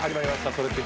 「それって！？